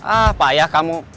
ah payah kamu